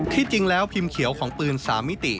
ที่จริงแล้วพิมพ์เขียวของปืน๓มิติ